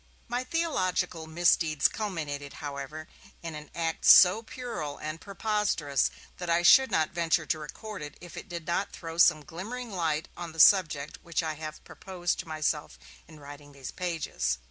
My theological misdeeds culminated, however, in an act so puerile and preposterous that I should not venture to record it if it did not throw some glimmering of light on the subject which I have proposed to myself in writing these pages.